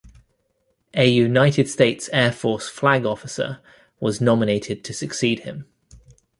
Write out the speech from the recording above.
A United States Air Force flag officer was nominated to succeed him.